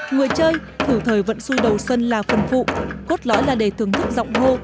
người chơi thử thời vận xu đầu xuân là phần phụ cốt lõi là để thưởng thức giọng hô